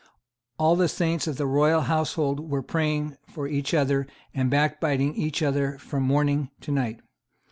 All the saints of the royal household were praying for each other and backbiting each other from morning, to night.